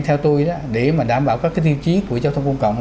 theo tôi đó để mà đảm bảo các cái tiêu chí của giao thông công cộng